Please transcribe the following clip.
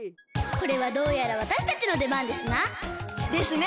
これはどうやらわたしたちのでばんですな！ですね！